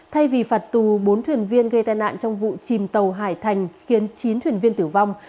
thay vì phạt tù bốn thuyền viên gây tai nạn trong vụ chìm tàu hải thành khiến chín thuyền viên tử vong